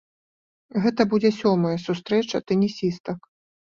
Гэта будзе сёмая сустрэча тэнісістак.